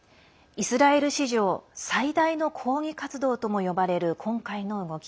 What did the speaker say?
イスラエル史上最大の抗議活動とも呼ばれる今回の動き。